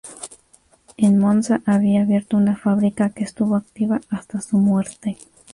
En Monza había abierto una fábrica que estuvo activa hasta su muerte.